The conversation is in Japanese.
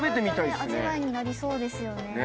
違った味わいになりそうですよね。